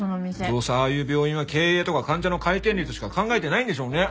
どうせああいう病院は経営とか患者の回転率しか考えてないんでしょうね。